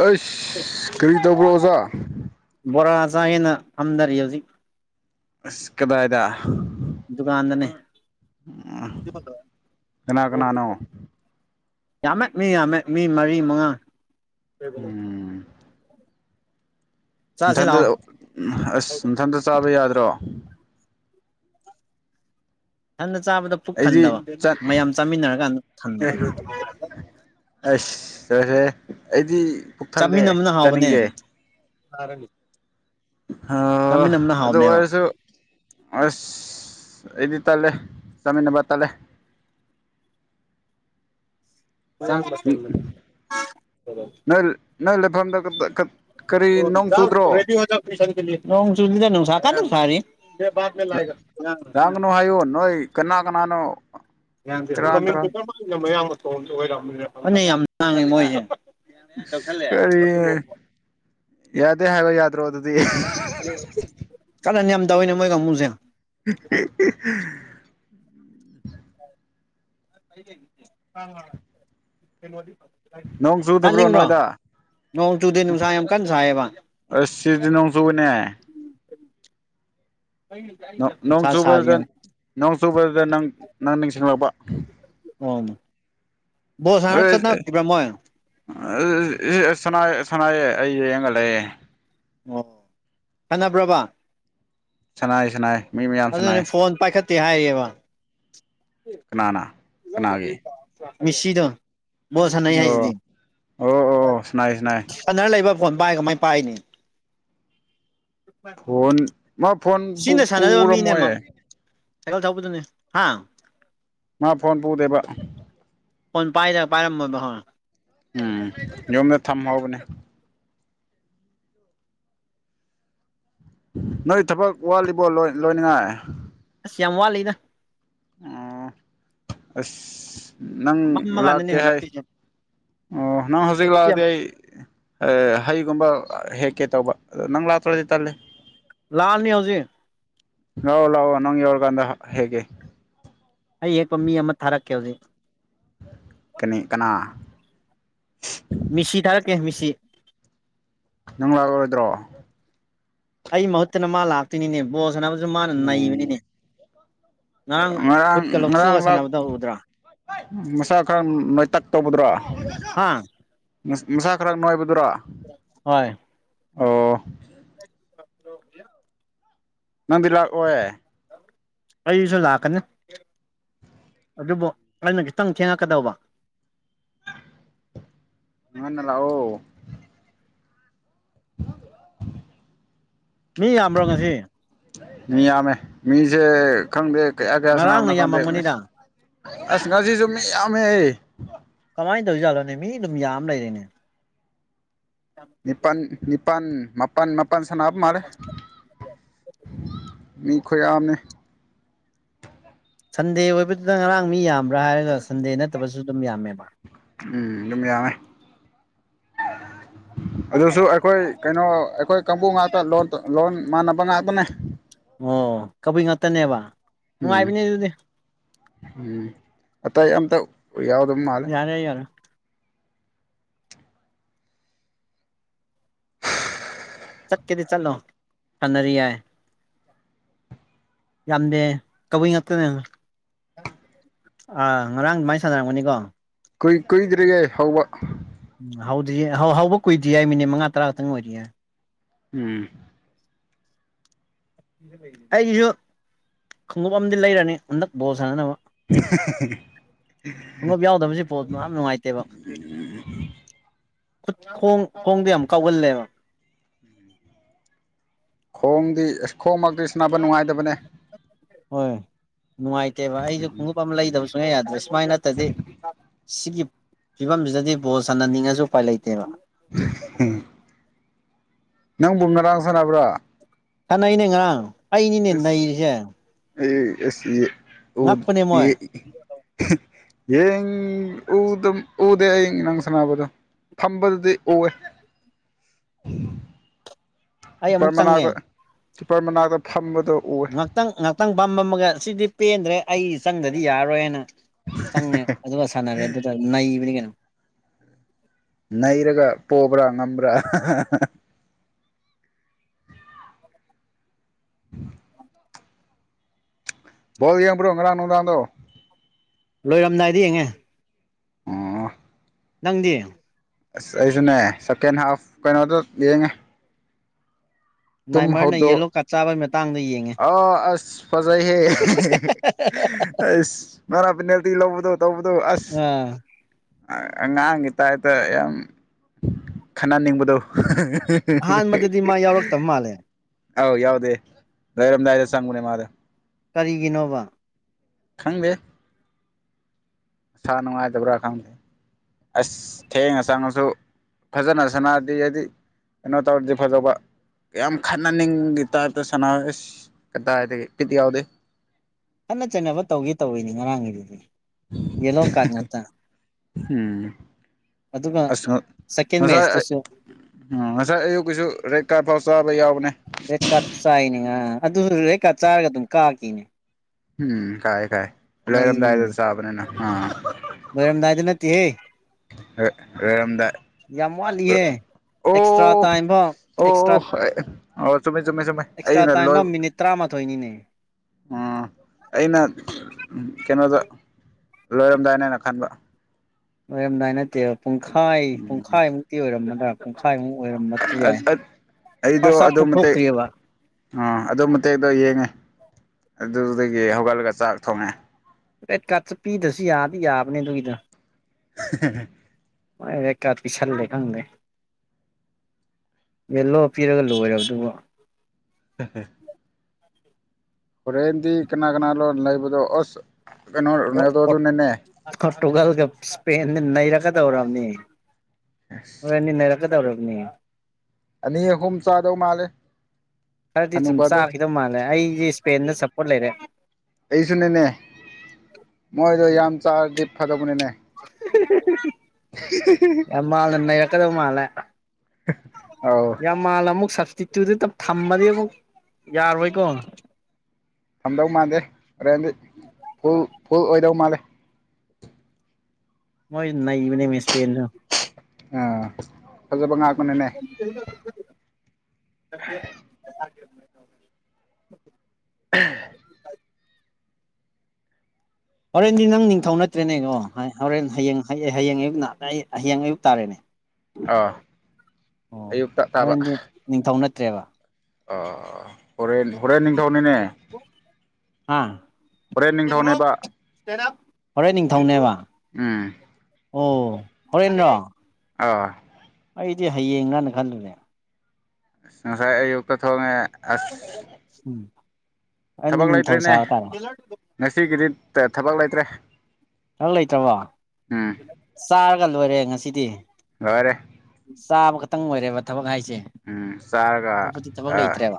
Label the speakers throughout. Speaker 1: ꯑꯩꯁ ꯀꯔꯤ ꯇꯧꯕ꯭ꯔꯣ ꯑꯣꯖꯥ
Speaker 2: ꯕ‌ꯣꯔꯥ ꯆꯥꯒ‌ꯦꯅ ꯐꯝꯗꯔꯤ ꯍꯨꯖꯤꯛ
Speaker 1: ꯑꯁ ꯀꯗꯥꯏꯗ
Speaker 2: ꯗꯨꯀꯥꯟꯗꯅꯦ
Speaker 1: ꯀꯅꯥ ꯀꯅꯥꯅꯣ
Speaker 2: [unintelligible] ꯌꯥꯝꯃꯦꯠ ꯃꯤ ꯌꯥꯝꯃꯦ ꯃꯤ ꯃꯔꯤ ꯃꯉꯥ [unintelligible]
Speaker 1: ꯎꯝ
Speaker 2: ꯆꯥꯁꯤ
Speaker 1: ꯅꯊꯟꯗ
Speaker 2: ꯂꯥꯛꯑꯣ
Speaker 1: ꯎꯝ ꯑꯁ ꯅꯊꯝꯗ ꯆꯥꯕ ꯌꯥꯗ꯭ꯔꯣ
Speaker 2: ꯅꯪꯅ ꯆꯥꯕꯗ ꯄꯨꯛ
Speaker 1: ꯑꯩꯗꯤ
Speaker 2: ꯊꯟꯗꯕ
Speaker 1: ꯆꯠ
Speaker 2: ꯃꯌꯥꯝ ꯆꯥꯃꯤꯟꯅꯔ ꯀꯥꯟꯗ ꯊꯟꯕ
Speaker 1: ꯁꯦ ꯁꯦ ꯑꯩꯗꯤ ꯄꯨꯛ ꯊꯜꯂꯦ
Speaker 2: ꯆꯥꯃꯤꯟꯅꯕꯅ ꯍꯥꯎꯕꯅꯦ
Speaker 1: ꯆꯥꯅꯤꯡꯗꯦ ꯑ‌ꯣ
Speaker 2: ꯆꯥꯃꯤꯟꯅꯕꯅ
Speaker 1: ꯑꯗꯨ
Speaker 2: ꯍꯥꯎꯕꯅꯦꯕ
Speaker 1: ꯑꯣꯏꯔꯁꯨ ꯑꯁ ꯑꯩꯗꯤ ꯇꯜꯂꯦ ꯆꯥꯃꯤꯟꯅꯕ ꯇꯜꯂꯦ
Speaker 2: ꯆꯥꯛ [unintelligible] [inaudible]
Speaker 1: ꯅꯪ ꯂꯩꯐꯝꯗ‌ꯣ ꯀꯗꯥ ꯀꯠ
Speaker 2: [unintelligible] ꯅ‌ꯣꯡ ꯆꯨꯗꯕꯤꯗ ꯅꯨꯡꯁꯥ ꯀꯟꯅ ꯁꯥꯔꯤ
Speaker 1: ꯂ ꯂꯥꯡꯒꯅꯣ ꯍꯥꯏꯌꯣ ꯅꯣꯏ ꯀꯅꯥ ꯀꯅꯥꯅꯣ ꯁꯦꯔꯥꯟ ꯇꯨꯔꯥꯟ
Speaker 2: [unintelligible] ꯍ‌ꯣꯏꯅ‌ꯦ ꯌꯥꯝ ꯂꯥꯡꯉ‌ꯦ ꯃꯣꯏꯁ‌ꯦ
Speaker 1: ꯑꯁ ꯀꯔꯤꯅ‌ꯣ ꯌꯥꯗꯦ ꯍꯥꯏꯈ‌ꯣ ꯌꯥꯗ꯭ꯔ‌ꯣ ꯑꯗꯨꯗꯤ
Speaker 2: [unintelligible] ꯀꯥꯔꯟ ꯌꯥꯝ ꯇꯧꯋꯤꯅꯦ ꯃꯣꯏ ꯀꯥꯡꯕꯨꯁꯦ
Speaker 1: [inaudible] ꯅꯣꯡ
Speaker 2: [unintelligible]
Speaker 1: ꯆꯨꯗꯕ꯭ꯔꯣ
Speaker 2: ꯆꯥꯅꯤꯡꯕ꯭ꯔꯣ
Speaker 1: ꯅꯣꯏꯗ
Speaker 2: ꯅꯣꯡ ꯆꯨꯗꯦ ꯅꯨꯡꯁꯥ ꯌꯥꯝ ꯀꯟꯅ ꯁꯥꯏꯌꯦꯕ
Speaker 1: ꯑꯁ ꯁꯤꯗꯤ ꯅꯣꯡ ꯆꯨꯕꯅꯦ
Speaker 2: [unintelligible]
Speaker 1: ꯅꯣꯡ ꯅ‌ꯣꯡ
Speaker 2: ꯅꯨꯡꯁꯥ
Speaker 1: ꯆꯨꯕꯗꯨꯗ
Speaker 2: ꯁꯥꯔꯤꯌꯦ
Speaker 1: ꯅꯣꯡ ꯆꯨꯕꯗꯨꯗ ꯅꯪ ꯅꯪ ꯅꯤꯡꯁꯤꯡꯂꯛꯄ
Speaker 2: ꯑ‌ꯣꯅ ꯕꯣꯜ ꯁꯥꯟꯅ ꯆꯠꯅꯈꯤꯕꯔ ꯃꯣꯏ
Speaker 1: [unintelligible] ꯑꯁ ꯑꯦ ꯁꯥꯟꯅꯥꯏꯌꯦ ꯁꯥꯟꯅꯥꯏꯌꯦ ꯑꯩ ꯌꯦꯡꯉ ꯂꯩꯌꯦ
Speaker 2: ꯑꯣ ꯁꯟꯅꯕ꯭ꯔ‌ꯣꯕ
Speaker 1: ꯁꯅꯥꯏ ꯁꯅꯥꯥꯏ
Speaker 2: ꯑꯗꯨꯅꯦ ꯐꯣꯟ ꯄꯥꯏꯈꯠꯇꯦ ꯍꯥꯏꯔꯤꯕ
Speaker 1: ꯀꯅꯥꯅ ꯀꯅꯥꯒꯤ
Speaker 2: [unintelligible] ꯃꯤꯁꯤꯗ‌ꯣ ꯕ‌ꯣꯜ ꯁꯥꯟꯅꯩ ꯍꯥꯏꯁꯤꯗꯤ
Speaker 1: ꯑꯣ ꯑꯣ ꯑꯣ ꯁꯅꯥꯏ ꯁꯅꯥꯏ
Speaker 2: [unintelligible] ꯁꯥꯟꯅꯔ ꯂꯩꯕ ꯐꯣꯟ ꯄꯥꯏ ꯀꯃꯥꯏ ꯄꯥꯏꯅꯤ
Speaker 1: ꯐꯣꯟ ꯃꯥ ꯐꯣꯟ ꯄꯨ
Speaker 2: ꯁꯤꯅ ꯁꯥꯟꯅꯗꯕ ꯃꯤꯅꯦ
Speaker 1: ꯄꯨꯔꯝꯃꯣꯏ
Speaker 2: ꯑꯃ ꯁꯥꯏꯀꯜ ꯊꯧꯕꯗꯨꯅꯤ ꯍꯥ
Speaker 1: ꯃꯥ ꯐꯣꯟ ꯄꯨꯗꯦꯕ
Speaker 2: ꯐꯣꯟ ꯄꯥꯏꯗꯒ ꯄꯥꯏꯔꯝꯃꯣꯏꯕ ꯍꯣꯏ
Speaker 1: ꯎꯝ ꯌꯨꯝꯗ ꯊꯝꯍꯧꯕꯅꯦ ꯅꯣꯏ ꯊꯕꯛ ꯋꯥꯠꯂꯤꯕꯣ ꯂ‌ꯣꯏ ꯂꯣꯏꯅꯤꯡꯉꯥꯏ
Speaker 2: ꯁ ꯌꯥꯝ ꯋꯥꯠꯂꯤꯗ
Speaker 1: ꯑꯣ ꯑꯁ ꯅꯪ
Speaker 2: ꯃꯝꯃ ꯀꯥꯟꯗꯅꯦ
Speaker 1: ꯂꯥꯛꯀꯦ ꯍꯥꯏ
Speaker 2: ꯍꯜꯂꯛꯇꯣꯏꯁꯦ
Speaker 1: ꯑꯣ ꯅꯪ ꯍꯧꯖꯤꯛ
Speaker 2: ꯍꯧꯖꯤꯛꯇꯤ ꯌꯥꯝ
Speaker 1: ꯂꯥꯛꯑꯗꯤ ꯑꯩ ꯑꯥ ꯍꯩꯒꯨꯝꯕ ꯍꯦꯀꯦ ꯇꯧꯕ ꯅꯪ ꯂꯥ ꯇꯔꯗꯤ ꯏ ꯇꯜꯂꯦ
Speaker 2: ꯁꯥꯔꯅꯤ ꯍꯧꯖꯤꯛ
Speaker 1: ꯂꯥꯎ ꯂꯥꯎ ꯅꯪ ꯌꯧꯔꯒꯟꯗ ꯍꯦꯛꯀꯦ
Speaker 2: ꯑꯩ ꯌꯦꯛꯄ ꯃꯤ ꯑꯃ ꯊꯥꯔꯛꯀꯦ ꯍꯧꯖꯤꯛ
Speaker 1: ꯀꯅꯤ ꯀꯅꯥ
Speaker 2: ꯃꯤꯁꯤ ꯊꯥꯔꯛꯀꯦ ꯃꯤꯁꯤ
Speaker 1: ꯅꯪ ꯂꯥꯛꯂꯔꯣꯏꯗ꯭ꯔꯣ
Speaker 2: ꯑꯩ ꯃꯍꯨꯠꯇꯅ ꯃꯥ ꯂꯥꯛꯇꯣꯏꯅꯤꯅꯦ ꯕꯣꯜ ꯁꯅꯕꯁꯨ ꯃꯥꯅ ꯅꯩꯕꯅꯤꯅꯦ ꯉꯔꯥꯡ ꯈꯨꯨꯠꯀ
Speaker 1: ꯉꯔꯥꯡ
Speaker 2: ꯂꯧꯊꯣꯛꯑꯒ
Speaker 1: ꯂꯥꯛ
Speaker 2: ꯁꯥꯟꯅꯕꯗꯣ ꯎꯗ꯭ꯔꯥ
Speaker 1: ꯃꯁꯥ ꯈꯔ ꯅꯣꯏꯇꯛ ꯇꯧꯕꯗ꯭ꯔꯣ
Speaker 2: ꯍꯥ
Speaker 1: ꯅꯁꯥ ꯈꯔ ꯅꯨꯡꯉꯥꯏꯕꯗꯨꯔꯥ
Speaker 2: ꯍꯣꯏ
Speaker 1: ꯑꯣ
Speaker 2: ꯔꯣꯌꯥ
Speaker 1: ꯅꯪꯗꯤ ꯂꯥꯛꯑꯣꯏ
Speaker 2: ꯑꯩꯁꯨ ꯂꯥꯛꯀꯅꯦ ꯑꯗꯨꯕꯨ ꯑꯩꯅ ꯈꯤꯇꯪ ꯊꯦꯡꯉꯛꯀꯗꯧꯕ
Speaker 1: ꯉꯟꯅ ꯂꯥꯛꯑꯣ [inaudible]
Speaker 2: ꯃꯤ ꯌꯥꯝꯕ꯭ꯔꯣ ꯉꯁꯤ
Speaker 1: ꯃꯤ ꯌꯥꯝꯃꯦ ꯃꯤꯁꯦ ꯈꯪꯗꯦ ꯀꯌꯥ ꯀꯌꯥ
Speaker 2: ꯉꯔꯥꯡꯅ
Speaker 1: ꯁꯅꯥꯕꯅꯣ ꯈꯪꯗꯦ
Speaker 2: ꯌꯥꯝꯃꯝꯒꯅꯤꯗ
Speaker 1: ꯑꯁ ꯉꯁꯤꯁꯨ ꯃꯤ ꯌꯥꯝꯃꯦ
Speaker 2: ꯀꯗꯧꯖꯥꯠꯂꯣꯅꯦ ꯃꯤ ꯑꯗꯨꯝ ꯌꯥꯝ ꯑꯃ ꯂꯩꯔꯦꯅꯦ
Speaker 1: ꯃꯥꯄꯜ ꯃꯥꯄꯜ ꯃꯥꯄꯜ ꯁꯅꯥꯕ ꯃꯥꯜꯂꯦ ꯃꯤ ꯈꯣꯏ ꯌꯥꯝꯃꯦ
Speaker 2: ꯁꯟꯗꯦ ꯑꯣꯏꯕꯗꯨꯅ ꯉꯔꯥꯡ ꯃꯤ ꯌꯥꯝꯕ꯭ꯔꯥ ꯍꯥꯏꯔꯒ ꯁꯟꯗꯦ ꯅꯠꯇꯕꯁꯨ ꯑꯗꯨꯝ ꯌꯥꯝꯃꯦꯕ
Speaker 1: ꯎꯝ ꯑꯗꯨꯝ ꯌꯥꯝꯃꯦ ꯑꯗꯨꯁꯨ ꯑꯩꯈꯣꯏ ꯀꯩꯅꯣ ꯑꯩꯈꯣꯏ ꯀꯥꯡꯕꯨ ꯉꯥꯛꯇ ꯂꯣꯟ ꯃꯥꯟꯅꯕ ꯉꯥꯛꯇꯅꯦ
Speaker 2: ꯑꯣ ꯀꯕꯨꯏ ꯉꯥꯛꯛꯇꯅꯦꯕ
Speaker 1: ꯎꯝ
Speaker 2: ꯅꯨꯡꯉꯥꯏꯕꯅꯦ ꯑꯗꯨꯗꯤ
Speaker 1: ꯎꯝ ꯑꯇꯩꯥ ꯑꯝꯇ ꯌꯥꯎꯗꯝ ꯃꯥꯂꯦ
Speaker 2: ꯌꯥꯔꯦ ꯌꯥꯔꯦ ꯆꯠꯀꯦꯗꯤ ꯆꯠꯂꯣ ꯇꯟꯅꯔꯤ ꯌꯥꯏ ꯌꯥꯝꯗꯦ ꯀꯕꯨꯏ ꯉꯥꯛꯇꯅꯦ ꯑꯥ ꯉꯔꯥꯡ ꯑꯗꯨꯃꯥꯏꯅ ꯁꯥꯟꯅꯔꯝꯒꯅꯤꯀꯣ
Speaker 1: ꯀꯨꯏ ꯀꯨꯏꯗ꯭ꯔꯤꯌꯦ ꯍꯧꯕ
Speaker 2: ꯍꯥꯎꯕ ꯀꯨꯏꯗ꯭ꯔꯤꯌꯦ ꯃꯤꯅꯤꯠ ꯃꯉꯥ ꯇꯔꯥ ꯈꯛꯇꯪ ꯑꯣꯏꯔꯤꯌꯦ
Speaker 1: ꯎꯝ
Speaker 2: ꯑꯩꯁꯤꯁꯨ ꯈꯣꯡꯎꯞ ꯑꯃꯗꯤ ꯂꯩꯔꯅꯤ ꯍꯟꯗꯛ ꯕꯣꯜ ꯁꯥꯟꯅꯅꯕ ꯈꯣꯡꯎꯞ ꯌꯥꯎꯗꯕꯁꯤ ꯕꯣꯜ ꯁꯅꯕ ꯅꯨꯡꯉꯥꯏꯇꯦꯕ
Speaker 1: [inaudible]
Speaker 2: ꯈꯨꯠ ꯈꯣꯡ ꯈꯣꯡꯗꯣ ꯌꯥꯝ ꯀꯥꯎꯒꯜꯂꯦꯕ
Speaker 1: ꯈꯣꯡꯗꯤ ꯑꯁ ꯈꯣꯡꯃꯛꯇꯤ ꯁꯅꯕ ꯅꯨꯡꯉꯥꯏꯇꯕꯅꯦ
Speaker 2: ꯍꯣꯏ ꯅꯨꯡꯉꯥꯏꯇꯦꯕ ꯑꯩꯁꯨ ꯈꯣꯡꯎꯞ ꯑꯃ
Speaker 1: ꯎꯝ
Speaker 2: ꯂꯩꯗꯕ ꯁꯨꯡꯌꯥ ꯌꯥꯗ꯭ꯔꯦ ꯁꯨꯃꯥꯏ ꯅꯠꯇꯗꯤ ꯁꯤꯒꯤ ꯐꯤꯕꯝꯁꯤꯗꯗꯤ ꯕꯣꯜ ꯁꯥꯟꯅꯅꯤꯡꯉꯁꯨ ꯎꯄꯥꯏ ꯂꯩꯇꯦ
Speaker 1: ꯅꯪꯕꯨ ꯉꯔꯥꯡ ꯁꯅꯥꯕ꯭ꯔꯥ
Speaker 2: ꯁꯥꯟꯅꯩꯅꯦ ꯉꯥꯡ ꯑꯩꯅꯤꯅꯦ ꯅꯔꯤꯁꯦ
Speaker 1: ꯑꯩꯁꯤ
Speaker 2: ꯃꯣꯏ
Speaker 1: ꯌꯦꯡ ꯎ ꯎ ꯎꯗꯦ ꯑꯩ ꯅꯪ ꯁꯅꯥꯕꯗꯣ ꯐꯝꯕꯗꯨꯗꯤ ꯎꯑꯦ ꯎꯝ
Speaker 2: ꯑꯩ ꯑꯃꯨꯛ ꯆꯪꯉꯦ
Speaker 1: ꯀꯤꯞꯄꯔ ꯃꯅꯥꯛꯇ ꯐꯝꯕꯗꯣ ꯎꯋꯦ
Speaker 2: ꯉꯥꯛꯇꯪ ꯉꯥꯏꯍꯥꯛꯇꯪ ꯄꯝꯕꯝ ꯑꯃꯒ ꯁꯤꯗꯤ ꯄꯦꯟꯗ꯭ꯔꯦ ꯑꯩ ꯆꯪꯗꯗꯤ ꯌꯥꯔꯔꯣꯏꯅ ꯆꯪꯉꯦ ꯑꯗꯨꯒ ꯁꯥꯟꯅꯔꯦ ꯑꯗꯨꯗ ꯅꯩꯕꯗꯤ ꯀꯩꯅꯣ [inaudible]
Speaker 1: ꯅꯩꯔꯒ ꯄꯣꯕ꯭ꯔꯥ ꯉꯝꯕ꯭ꯔꯥ m...... ꯣ ꯌꯦꯕ꯭ꯔꯣ ꯉꯔꯥꯡꯅꯨꯡꯗꯥꯗꯣ
Speaker 2: ꯂꯣꯏꯔꯝꯗꯥꯏꯗ ꯌꯦꯡꯉꯦ
Speaker 1: ꯑꯣ
Speaker 2: ꯅꯪꯗꯤ
Speaker 1: ꯑꯁ ꯑꯩꯁꯨꯅꯦ ꯁꯦꯀꯦꯟ ꯍꯥꯐ ꯀꯩꯅꯣꯗ ꯌꯦꯡꯉꯦ ꯇꯝ
Speaker 2: ꯅꯥꯏꯃꯔꯅ
Speaker 1: ꯍꯧꯥꯎꯗꯣ
Speaker 2: ꯌꯦꯂꯣ ꯀꯥꯔꯠ ꯆꯥꯕꯒꯤ ꯃꯇꯥꯡꯗ ꯌꯦꯡꯉꯦ
Speaker 1: ꯑ ꯑꯁ ꯐꯖꯩꯍꯦ ꯑꯁ ꯃꯥꯅꯥ ꯄꯤꯅꯦꯜꯇꯤ ꯂꯧꯕꯗꯣ ꯇꯧꯕꯗꯣ ꯑꯁ
Speaker 2: ꯑꯥ
Speaker 1: ꯑꯉꯥꯡꯒꯤ ꯇꯥꯏꯞꯇ ꯌꯥꯝ ꯈꯟꯅꯅꯤꯡꯕꯗꯣ
Speaker 2: ꯑꯍꯥꯟꯕꯗꯗꯤ ꯃꯥ ꯌꯥꯎꯔꯛꯇꯕ ꯃꯥꯜꯂꯦ
Speaker 1: [unintelligible] ꯑꯥꯎ ꯌꯥꯎꯗꯦ ꯩꯔꯝꯗꯥꯏꯔ ꯆꯒꯨꯅꯦ ꯃꯥꯗ
Speaker 2: ꯀꯔꯤꯒꯤꯅꯣꯕ
Speaker 1: ꯈꯪꯗꯦ ꯑꯁꯥ ꯅꯨꯡꯉꯥꯏꯇꯕ꯭ꯔꯥ ꯈꯪꯗꯦ ꯑꯁ ꯊꯦꯡ ꯉꯁꯥꯡꯅꯁꯨ ꯐꯖꯅ ꯁꯥꯟꯅꯔꯗꯤ ꯍꯥꯏꯗꯤ ꯀꯩꯅꯣ ꯇꯧꯔꯗꯤ ꯐꯖꯕ ꯀꯌꯥꯝ ꯈꯠꯅꯅꯤꯡꯈꯤ ꯇꯞꯇ ꯁꯥꯟꯅꯁ ꯀꯗꯥꯏꯗꯒꯤ ꯄꯤꯗꯤ ꯌꯥꯎꯗꯦ
Speaker 2: ꯀꯠꯅ ꯆꯩꯅꯕ ꯇꯧꯒꯦ ꯇꯧꯋꯤꯅꯤ ꯉꯔꯥꯡꯒꯤꯗꯨꯗꯤ ꯌꯦꯂꯣ ꯀꯥꯔꯠ ꯉꯠꯇ
Speaker 1: ꯎꯝ ꯑꯁ
Speaker 2: ꯁꯦꯀꯦꯟ
Speaker 1: ꯉꯁꯥꯏ
Speaker 2: ꯃꯦꯠꯁꯇꯨꯁꯨ
Speaker 1: ꯉꯁꯥꯏ ꯑꯌꯨ ꯀꯁꯨ ꯔ ꯐꯥꯎꯁꯕ ꯌꯥꯎ
Speaker 2: ꯔꯦꯠ ꯀꯥꯔ ꯆꯥꯏꯅꯦ ꯑ ꯑꯗꯨꯁꯨ ꯔꯦꯠ ꯀꯥꯔꯗ ꯆꯥꯔꯒ ꯑꯗꯨꯝ ꯀꯥꯈꯤꯅꯦ
Speaker 1: ꯎꯝ ꯀꯥꯏ ꯀꯥꯏ ꯐ ꯂꯔꯝꯗ ꯍꯥꯏꯗ ꯆꯕꯅꯦꯅ ꯑ
Speaker 2: ꯑꯣꯏꯣꯏꯔꯝꯗꯥꯏꯗ ꯅꯠꯇꯦꯍꯦ
Speaker 1: ꯂꯣꯏꯔꯝꯗꯥꯏ
Speaker 2: ꯌꯥꯝ ꯋꯥꯠꯂꯤꯍꯦ ꯑꯦꯛꯁꯇ꯭ꯔꯥ
Speaker 1: ꯑꯣ
Speaker 2: ꯇꯥꯏ ꯑꯦꯁꯇ꯭ꯔꯥ
Speaker 1: ꯑꯣ ꯑꯣ ꯆꯨꯝꯃꯦ ꯆꯨꯝꯃꯦ ꯆꯨꯝꯃꯦ
Speaker 2: ꯑꯦꯁꯇ꯭ꯔꯥ ꯇꯥꯏ ꯃꯤꯅꯤꯇꯔꯥ ꯊꯣꯏꯅꯤꯅꯦ
Speaker 1: ꯎ ꯑꯩꯅ ꯀꯩꯅꯣꯗ ꯂꯣꯏꯔꯝꯗꯥꯏꯅꯦꯅ ꯈꯟꯕ
Speaker 2: ꯣꯏ ꯌꯥꯝꯗꯥꯏ ꯅꯠꯇ ꯄꯨꯡꯈꯥꯏ ꯄꯨꯡꯈꯥꯏꯃꯨꯛꯇꯤ ꯑꯣꯏꯔꯝꯃꯗ꯭ꯔꯥ ꯄꯨꯡꯈꯥꯏꯃꯨꯛ ꯑꯣꯏꯔꯝꯃꯛꯇ꯭ꯔꯁꯨ ꯌꯥꯏ
Speaker 1: ꯑꯩꯗ
Speaker 2: ꯐꯥꯔꯁ
Speaker 1: ꯑꯗꯨꯗ
Speaker 2: ꯍꯥꯞꯄꯨ
Speaker 1: ꯃꯠꯇꯦꯛ
Speaker 2: ꯊꯣꯛꯇ꯭ꯔꯤꯑꯕ
Speaker 1: ꯑꯥ ꯑꯗꯨ ꯃꯇꯦꯛꯛꯇꯣ ꯌꯦꯡꯉꯦ ꯑꯗꯨꯗꯒꯤ ꯍꯧꯒꯠꯂꯒ ꯆꯥꯛ ꯊꯣꯡꯉꯦ
Speaker 2: ꯑꯦ ꯀꯠꯆ ꯄꯤꯗꯁꯨ ꯌꯥꯗꯤ ꯌꯥꯕꯅꯦ ꯑꯗꯨꯒꯤꯗ
Speaker 1: [unintelligible]
Speaker 2: ꯑꯦꯥꯗ ꯄꯁꯜꯂꯦ ꯈꯪꯦ ꯌꯦꯦꯜꯂꯣ ꯄꯤꯔꯒ ꯂꯣꯏꯔꯦ ꯑꯗꯨꯒꯕꯨ
Speaker 1: [unintelligible] ꯍꯣꯔꯦꯟꯗꯤ ꯀꯅꯥ ꯀꯅꯥ ꯂꯣꯟ ꯂꯩꯕꯗꯣ ꯑꯁ ꯀꯩꯅꯣ ꯔꯣꯅꯥꯜꯗꯣꯗꯨꯅꯅꯦ
Speaker 2: ꯀꯣꯔꯣꯔꯇꯨꯒꯜꯒ ꯁꯄꯦ ꯅꯩꯔꯛꯀꯗꯧꯔꯕꯅꯤ ꯍꯣꯏꯅꯤ ꯅꯩꯔꯛꯀꯗꯧꯔꯕꯅꯤ
Speaker 1: ꯑꯅꯤ ꯑꯍꯨꯝ ꯆꯥꯗꯧ ꯃꯥꯜꯂꯦ
Speaker 2: ꯈꯔꯗꯤ ꯁꯨꯝ
Speaker 1: ꯍꯅꯨꯕꯗꯣ
Speaker 2: ꯆꯥꯈꯤꯗꯧ ꯃꯥꯜꯂꯦ ꯑꯩꯗꯤ ꯏꯁꯄꯦꯟꯗ ꯁꯞꯄꯣꯔꯠ ꯂꯩꯔꯦ
Speaker 1: ꯑꯩꯁꯨꯅꯤꯅꯦ ꯃꯣꯏꯗꯣ ꯌꯥꯝ ꯆꯥꯔꯗꯤ ꯐꯂꯛꯕꯅꯤꯅꯦ
Speaker 2: ꯌꯥꯝ ꯃꯥꯜꯅ ꯏꯀꯗꯕ ꯃꯥꯂꯦ
Speaker 1: ꯑꯧ
Speaker 2: ꯌꯥꯝ ꯃꯥꯂ ꯑꯃ ꯑꯃꯨꯛ ꯁ ꯤꯇꯨꯗ ꯊꯝꯃꯗꯤ ꯑꯃꯨꯛ ꯌꯥꯔꯣꯏꯀꯣ
Speaker 1: ꯊꯝꯗꯧ ꯃꯥꯜꯂꯦ ꯍꯣꯔꯦꯟꯗꯤ ꯐꯨꯜ ꯐꯨꯜ ꯑꯣꯏꯗꯧ ꯃꯥꯜꯂꯦ
Speaker 2: ꯃ ꯅ ꯏꯅꯦ ꯃꯤꯁ ꯄꯅ
Speaker 1: ꯑ ꯐꯕꯉꯥ
Speaker 2: [unintelligible]
Speaker 1: [unintelligible]
Speaker 2: ꯍꯣꯔꯦꯟꯗꯤ ꯅꯪ ꯅꯤꯡꯊꯧ ꯅꯠꯇ꯭ꯔꯦꯅꯦꯀꯣ ꯍꯌ‌ꯦ ꯍꯣꯔꯦꯟ ꯍꯌꯦꯡ ꯍꯌꯦꯡ ꯑꯌꯨꯛ ꯅꯥ ꯑꯩ ꯍꯌꯦꯡ ꯑꯌꯨꯛ ꯇꯥꯔꯦꯅꯦ
Speaker 1: ꯑꯥ
Speaker 2: ꯑꯣ
Speaker 1: ꯑꯌꯨꯛꯇ ꯇꯥꯕ
Speaker 2: ꯍ‌ꯣꯔ‌ꯦꯟꯗꯤ ꯅꯤꯡꯊꯧ ꯅꯠꯇ꯭ꯔꯦꯕ
Speaker 1: ꯑꯥ ꯍꯣꯔꯦꯟ ꯍꯣꯔꯦꯟ ꯅꯤꯡꯊꯧꯅꯤꯅꯦ
Speaker 2: ꯍꯥ
Speaker 1: ꯍꯣꯔꯦꯟ ꯅꯤꯡꯊꯧꯅꯦꯕ
Speaker 2: [unintelligible] ꯍꯣꯔꯦꯟ ꯅꯤꯡꯊꯧꯅꯦꯕ
Speaker 1: ꯎꯝ
Speaker 2: ꯑꯣ ꯍꯣꯔꯦꯟꯔꯣ
Speaker 1: ꯑꯥ
Speaker 2: ꯑꯩꯗꯤ ꯍꯌꯦꯡꯔꯅ ꯈꯜꯂꯨꯝꯅꯦ
Speaker 1: ꯁꯪꯁꯥꯏ ꯑꯌꯨꯛꯇ ꯊ‌ꯣꯛꯂꯛꯑꯦ
Speaker 2: ꯎꯝ ꯑꯩꯗꯤ
Speaker 1: ꯊꯕꯛ
Speaker 2: ꯅꯤꯡꯊꯧ
Speaker 1: ꯂꯩꯇ꯭ꯔꯤꯅꯦ
Speaker 2: ꯁꯥꯕ ꯇꯥꯔꯦ
Speaker 1: ꯉꯁꯤꯒꯤꯗꯤ ꯇ ꯊꯕꯛ ꯂꯩꯇ꯭ꯔꯦ
Speaker 2: ꯊꯕꯛ ꯂꯩꯇ꯭ꯔꯕꯣ
Speaker 1: ꯎꯝ
Speaker 2: ꯆꯥꯔꯒ ꯂꯣꯏꯔꯦ ꯉꯁꯤꯗꯤ
Speaker 1: ꯂꯣꯏꯔꯦ
Speaker 2: ꯆꯥꯕ ꯈꯛꯇꯪ ꯑꯣꯏꯔꯦꯕ ꯊꯕꯛ ꯍꯥꯏ
Speaker 1: ꯎꯝ ꯆꯥꯔꯒ ꯑꯥ
Speaker 2: ꯂꯩꯇ꯭ꯔꯦꯕ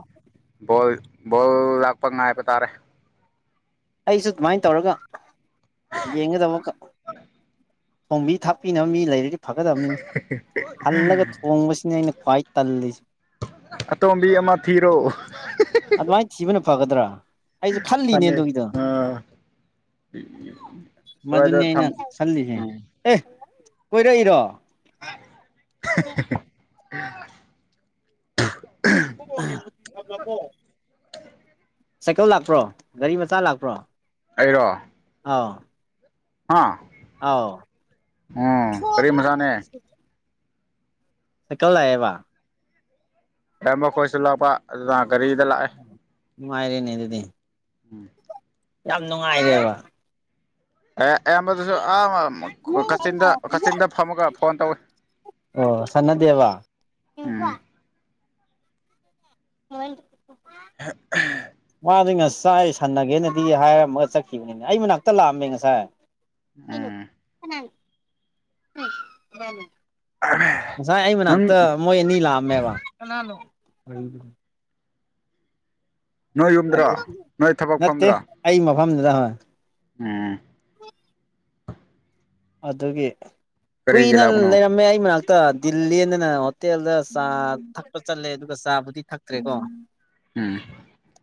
Speaker 1: ꯕꯣꯜ ꯕꯣꯜ ꯂꯥꯛꯄ ꯉꯥꯏꯕ ꯇꯥꯔꯦ
Speaker 2: ꯑꯩꯁꯨ ꯑꯗꯨꯃꯥꯏꯅ ꯇꯧꯔꯒ ꯌꯦꯡꯒꯗ ꯑꯃꯨꯛꯀ ꯊꯣꯡꯕꯤ ꯊꯥꯛꯄꯤꯅꯕ ꯃꯤ ꯂꯩꯔꯗꯤ ꯐꯒꯗꯕꯅꯤꯅꯦ ꯍꯜꯂꯒ ꯊꯣꯡꯕꯁꯤꯅꯦ ꯑꯩꯅ ꯈ꯭ꯋꯥꯏ ꯇꯜꯂꯤꯖ
Speaker 1: ꯑꯇꯣꯝꯕꯤ ꯑꯃ ꯊꯤꯔꯣ
Speaker 2: ꯑꯗꯨꯃꯥꯏꯅ ꯊꯤꯕꯅ ꯐꯒꯗ꯭ꯔꯥ ꯑꯩꯖꯨ ꯈꯜꯂꯤꯅꯦ
Speaker 1: ꯁꯥꯟꯅꯩ
Speaker 2: ꯑꯗꯨꯒꯤꯗꯣ
Speaker 1: ꯑꯥ
Speaker 2: ꯃꯗꯨꯅꯤ
Speaker 1: ꯁ꯭ꯋꯥꯏꯗ ꯊꯝ
Speaker 2: ꯑꯩꯅ ꯁꯜꯂꯤꯁꯦ ꯑꯦ ꯀꯣꯏꯔꯛꯏꯔꯣ
Speaker 1: [inaudible]
Speaker 2: [inaudible] ꯁꯥꯏꯀꯜ ꯂꯥꯛꯄ꯭ꯔꯣ ꯒꯥꯔꯤ ꯃꯆꯥ ꯂꯥꯛꯄ꯭ꯔꯣ
Speaker 1: ꯑꯩꯔꯣ
Speaker 2: ꯑꯥ
Speaker 1: ꯍꯥ ꯑꯣ ꯒꯔꯤ ꯃꯆꯥꯥꯅꯦ
Speaker 2: ꯁꯥꯏꯀꯜ ꯂꯥꯛꯑꯦꯕ
Speaker 1: [unintelligible] ꯇꯃ ꯈꯣꯏꯁꯨ ꯂꯥꯛꯄ ꯑꯗꯨꯅ ꯒꯔꯤꯗ ꯂꯥꯛꯑ‌ꯦ
Speaker 2: ꯅꯨꯡꯉꯥꯏꯔ‌ꯦꯅꯦ ꯑꯗꯨꯗꯤ
Speaker 1: ꯎꯝ
Speaker 2: ꯌꯥꯝ ꯅꯨꯡꯉꯥꯏꯔꯦꯕ
Speaker 1: ꯑꯦ ꯑꯌꯥꯝꯕꯗꯨꯁꯨ ꯑꯍ ꯑꯝ ꯀꯥꯆꯤꯟꯗ ꯀꯥꯆꯤꯟꯗ ꯐꯝꯃꯒ ꯐꯣꯟ ꯇꯧꯏ
Speaker 2: ꯑꯣ ꯁꯥꯟꯅꯗꯦꯕ
Speaker 1: ꯎꯝ
Speaker 2: ꯃꯣꯏ [unintelligible]
Speaker 1: [inaudible]
Speaker 2: ꯃꯥꯗꯤ ꯉꯁꯥꯏ ꯁꯟꯅꯒꯦꯅꯗꯤ ꯍꯥꯏꯔꯝꯃꯒ ꯆꯠꯈꯤꯕꯅꯤꯅꯦ ꯑꯩ ꯃꯅꯥꯛꯇ ꯂꯥꯛꯑꯝꯃꯦ ꯉꯁꯥꯏ
Speaker 1: ꯎꯝ
Speaker 2: [unintelligible] ꯉꯁꯥꯏ ꯑꯩ
Speaker 1: ꯅꯪ
Speaker 2: ꯃꯅꯥꯛꯇ ꯃꯣꯏ ꯑꯅꯤ ꯂꯥꯛꯑꯝꯃꯦꯕ ꯀꯅꯥꯅ‌ꯣ [unintelligible]
Speaker 1: ꯅꯣꯏ ꯌꯨꯝꯗ꯭ꯔꯣ
Speaker 2: [unintelligible]
Speaker 1: ꯅꯣꯏ ꯊꯕꯛ
Speaker 2: ꯅꯠꯇꯦ
Speaker 1: ꯐꯝꯗ꯭ꯔꯣ
Speaker 2: ꯑꯩ ꯃꯐꯝꯗꯨꯗ ꯍꯣꯏ
Speaker 1: ꯎꯝ
Speaker 2: ꯑꯗꯨꯒꯤ
Speaker 1: ꯀꯔꯤꯒꯤ
Speaker 2: ꯀꯨꯏꯅ
Speaker 1: ꯂꯥꯛꯄꯅꯣ
Speaker 2: ꯂꯩꯔꯝꯃꯦ ꯑꯩ ꯃꯅꯥꯛ ꯇ‌ꯣ ꯗꯤꯜ ꯂ‌ꯦꯟꯅꯗ ꯍꯣꯇꯦꯜꯗ ꯆꯥ ꯊꯛꯄ ꯆꯠꯂꯦ ꯑꯗꯨꯒ ꯆꯥꯕꯨꯗꯤ ꯊꯛꯇ꯭ꯔꯦꯀꯣ
Speaker 1: ꯎꯝ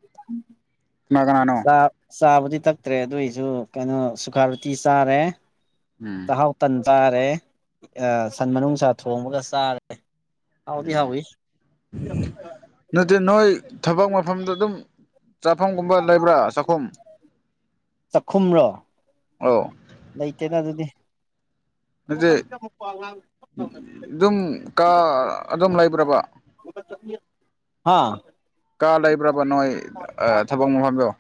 Speaker 2: [inaudible]
Speaker 1: ꯀꯅꯥ ꯀꯅꯥꯅꯣ
Speaker 2: ꯆꯥꯕꯨꯗꯤ ꯆꯥꯕꯨꯗꯤ ꯊꯛꯇ꯭ꯔꯦ ꯑꯗꯨꯏꯁꯨ ꯀꯩꯅꯣ ꯁꯨꯈꯥ ꯔ‌ꯣꯇꯤ ꯆꯥꯔꯦ
Speaker 1: ꯎꯝ
Speaker 2: ꯆꯥꯍꯥꯎ ꯇꯟ ꯆꯥꯔꯦ ꯑꯥ ꯁꯟ ꯃꯅꯨꯡꯁꯥ ꯊꯣꯡꯕꯒ ꯆꯥꯔꯦ ꯍꯥꯎꯗꯤ
Speaker 1: ꯎꯝ
Speaker 2: ꯍꯥꯎꯋꯤ
Speaker 1: ꯅꯠꯇ‌ꯦ ꯅꯣꯏ ꯊꯕꯛ ꯃ ꯃꯐꯝꯗ ꯑꯗꯨꯝ ꯆꯥꯐꯝꯒꯨꯝꯕ ꯂꯩꯕ꯭ꯔꯥ ꯆꯥꯛꯈꯨꯝ
Speaker 2: ꯆꯥꯛꯈꯨꯝꯔꯣ
Speaker 1: ꯑꫭ
Speaker 2: ꯂꯩꯇꯦꯅ ꯑꯗꯨꯗꯤ
Speaker 1: [inaudible] ꯑꯗꯨꯗꯤ ꯑꯗꯨꯝ ꯀ ꯑꯗꯨꯝ ꯂꯩꯕ꯭ꯔꯕ
Speaker 2: ꯍꯥꯥ
Speaker 1: ꯀꯥ ꯂꯩꯕ꯭ꯔꯕ ꯅꯣꯏ ꯑ ꯊꯕꯛ ꯃꯨꯐꯝꯗꫭ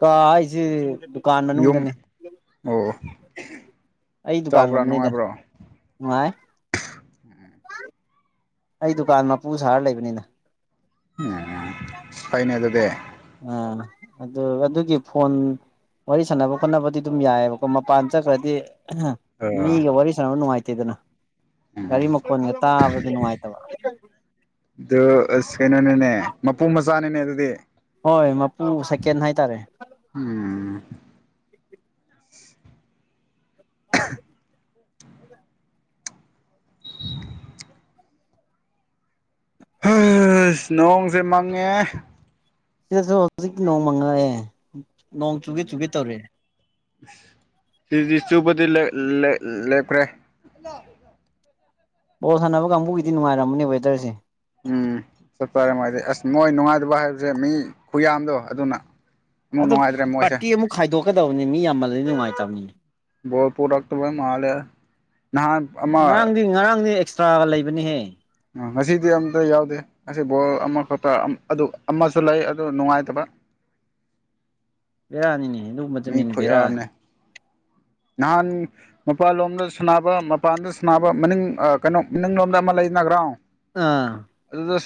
Speaker 2: ꯀ ꯍꯥꯏꯁꯤ ꯗꯨꯀꯥꯟ
Speaker 1: ꯌꯨꯝ
Speaker 2: ꯃꯅꯨꯡꯗꯅꯤ
Speaker 1: ꯑꯣ ꯑꫭ
Speaker 2: ꯑꯩ ꯗꯨꯀꯥꯟꯒꯨꯝꯕꯅꯤꯗ ꯅꯨꯡꯉꯥꯏ ꯑꯩ ꯗꯨꯀꯥꯟ ꯃꯄꯨ ꯁꯥꯔ ꯂꯩꯕꯅꯤꯗ
Speaker 1: ꯎꯝ ꯐꯩꯅꯦ ꯑꯗꯨꯗꯤ
Speaker 2: ꯑꯥ ꯑꯗꯨ ꯑꯗꯨꯒꯤ ꯐꯣꯟ ꯋꯥꯔꯤ ꯁꯥꯟꯅꯕ ꯈꯣꯠꯅꯕꯗꯤ ꯑꯗꯨꯝ ꯌꯥꯏꯑꯕꯀꯣ ꯃꯄꯥꯟ ꯆꯠꯈ꯭ꯔꯗꯤ ꯑꯍ
Speaker 1: ꯑ
Speaker 2: ꯃꯤꯒ ꯋꯥꯔꯤꯔꯤ ꯁꯟꯅ ꯅꯨꯡꯉꯥꯏꯇꯦꯗꯅ ꯒꯥꯔꯤ
Speaker 1: ꯎꯝ
Speaker 2: ꯃꯀꯣꯟꯒ ꯇꯥꯕꯗ ꯅꯨꯡꯉꯥꯏꯇꯕ
Speaker 1: ꯑꯗꯨ ꯑꯁ ꯀꯩꯅꯣꯅꯦꯅꯦ ꯃꯄꯨ ꯃꯆꯥꯅꯤꯅꯦ ꯑꯗꯨꯗꯤ
Speaker 2: ꯍꯣꯏ ꯃꯄꯨ ꯁꯦꯀꯦꯟ ꯍꯥꯏꯇꯥꯔꯦ
Speaker 1: ꯎꯝ [unintelligible] ꯍꯁ ꯅꯣꯡꯁꯦ ꯃꯪꯉꯦ
Speaker 2: ꯁꯤꯗꯁꯨ ꯍꯧꯖꯤꯛ ꯅꯣꯡꯃꯉꯔꯛꯑꯦ ꯅꯣꯡ ꯆꯨꯒꯦ ꯆꯨꯒꯦ ꯇꯧꯔꯦ
Speaker 1: ꯁꯤꯗꯗꯤ ꯆꯨꯕꯗꯤ ꯂꯦ ꯂꯦ ꯂꯦꯞꯈ꯭ꯔꯦ
Speaker 2: ꯕꯣꯜ ꯁꯥꯟꯅꯕ ꯀꯥꯡꯕꯨꯒꯤꯗꯤ ꯅꯨꯡꯉꯥꯏꯔꯝꯃꯅꯦ ꯋꯦꯗꫪꯁꯦ
Speaker 1: ꯎꯝ ꯆꯞ ꯆꯥꯔꯦ ꯃꫭꯏꯗꯤ ꯑꯁ ꯃꫭꯏ ꯅꯨꯡꯉꯥꯏꯇꯕ ꯍꯥꯏꯕꯁꯦ ꯃꯤ ꯈꯨꯌꯥꯗꯣ ꯑꯗꯨꯅ ꯑꯃꯨꯛ
Speaker 2: ꯑꯗꯨ
Speaker 1: ꯅꯨꯡꯉꯥꯏꯇ꯭ꯔꯦ ꯃꯣꯏꯁꯦ
Speaker 2: ꯄꯥꫪꯇꯤ ꯑꯃꯨꯛ ꯈꯥꯏꯗꯣꯛꯀꯗꯧꯕꯅꯤ ꯃꯤ ꯌꯥꯝꯃꯜꯂꯗꯤ ꯅꯨꯡꯉꯥꯏꯇꯕꯅꯤ
Speaker 1: ꯕꫭꯜ ꯄꯨꯔꯛꯇꯕꯩ ꯃꯥꯜꯂꯦ ꯅꯍꯥꯟ ꯑꯃ
Speaker 2: ꯉꯔꯥꯡꯗꯤ ꯉꯔꯥꯡꯗꯤ ꯑꯦꯛꯁꯇ꯭ꯔꯥꯒ ꯂꯩꯕꯅꯤꯍꯦ
Speaker 1: ꯉꯁꯤꯗꯤ ꯑꯝꯇ ꯌꯥꯎꯗꯦ ꯉꯁꯤ ꯕꯣꯜ ꯑꯃꯈꯄ ꯑꯗꯨ ꯑꯃꯁꯨ ꯂꯩ ꯑꯗꯨ ꯅꯨꯡꯉꯥꯏꯇꯕ [inaudible]
Speaker 2: ꯕꯦꯔꯥꯅꯤꯅꯦ
Speaker 1: ꯃꯤ
Speaker 2: ꯑꯗꯨꯒꯨꯝꯕꯗꯨꯅꯤꯅꯦ
Speaker 1: ꯈꯨꯣꯏ
Speaker 2: ꯕꯦꯔꯥꯁꯦ
Speaker 1: ꯌꯥꯝꯅꯦ ꯅꯍꯥꯟ ꯃꯄꯥꯟꯂꯣꯝꯗ ꯁꯥꯟꯅꯕ ꯃꯄꯥꯟꯗ ꯁꯥꯟꯅꯕ ꯃꯅꯤꯡ ꯀꯩꯅꯣ ꯃꯅꯤꯡꯂꯣꯝꯗ ꯑꯃ ꯂꯩꯅ ꯒ꯭ꯔꯥꯎꯟ
Speaker 2: ꯑꯥ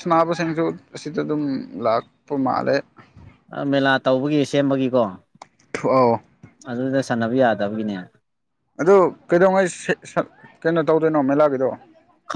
Speaker 1: ꯅꯥꯕꯁꯤꯡꯁꯨ ꯑꯁꯤꯗ ꯑꯗꯨꯝ ꯂꯥꯛꯄ ꯃꯥꯜꯂꯦ
Speaker 2: ꯃꯦꯂꯥ ꯇꯧꯕꯒꯤ ꯁꯦꯝꯕꯒꯤꯀꯣ
Speaker 1: ꯊꯣꯛ ꯑꯣ
Speaker 2: ꯑꯗꯨꯗ ꯁꯥꯟꯅꯕ ꯌꯥꯗꯕꯒꯤꯅꯦ
Speaker 1: ꯑꯗꯨ ꯀꯩꯗꯧꯉꯩ ꯁꯤ ꯁ ꯀꯩꯅꯣ ꯇꯧꯗꯣꯏꯅꯣ ꯃꯦꯂꯥꯒꯤꯗꯣ
Speaker 2: ꯈꯪ